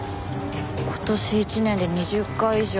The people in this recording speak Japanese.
今年一年で２０回以上。